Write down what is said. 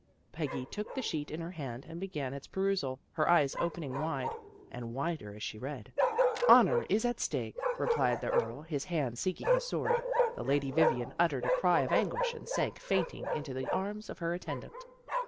" Peggy took the sheet in her hand, and began its perusal, her eyes opening wide and wider as she read. ' honor is at stake/ replied the earl, his hand seeking his sword. The Lady Vivian uttered MAKING FRIENDS 43 a cry of anguish, and sank fainting into the arms of her attendant."